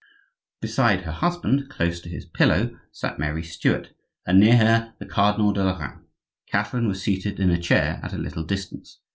Beside her husband, close to his pillow, sat Mary Stuart, and near her the Cardinal de Lorraine. Catherine was seated in a chair at a little distance.